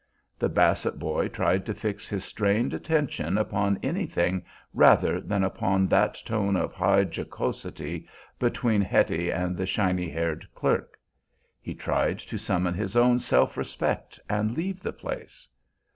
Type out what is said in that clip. The Basset boy tried to fix his strained attention upon anything rather than upon that tone of high jocosity between Hetty and the shiny haired clerk. He tried to summon his own self respect and leave the place.